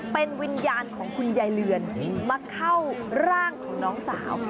เป็นวิญญาณของคุณยายเรือนมาเข้าร่างของน้องสาว